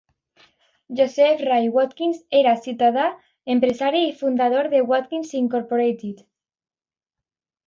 Joseph Ray Watkins era ciutadà, empresari i fundador de Watkins Incorporated.